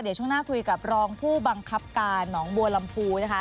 เดี๋ยวช่วงหน้าคุยกับรองผู้บังคับการหนองบัวลำพูนะคะ